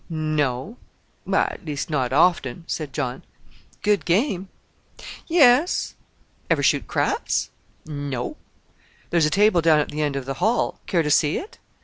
"No; at least not often," said John. "Good game." "Yes." "Ever shoot craps?" "No." "There's a table down at the end of the hall. Care to see it?"